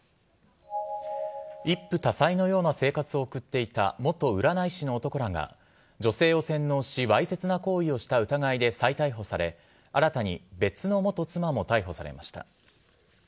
一夫多妻のような生活を送っていた元占い師の男らが女性を洗脳し、わいせつな行為をした疑いで再逮捕され、新たに別の元妻も逮捕されました。